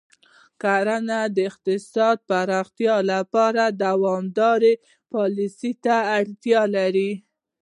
کرنه د اقتصادي پراختیا لپاره دوامداره پالیسۍ ته اړتیا لري.